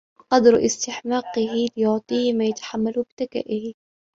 وَقَدْرَ اسْتِحْقَاقِهِ لِيُعْطِيَهُ مَا يَتَحَمَّلُهُ بِذَكَائِهِ